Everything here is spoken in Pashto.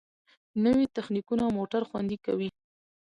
نوې تخنیکونه موټر خوندي کوي.